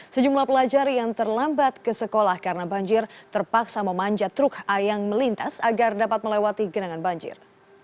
sejumlah pelajar yang terlambat ke sekolah karena banjir terpaksa memanjat truk a yang melintas agar dapat melewati genangan banjir